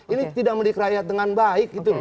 ini tidak mendik rakyat dengan baik gitu loh